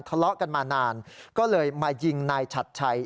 ทะเลาะกันมานานก็เลยมายิงนายฉัดชัย